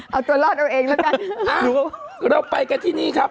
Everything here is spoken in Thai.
เอาตัวรอดเอาเองแล้วกันเราไปกันที่นี่ครับ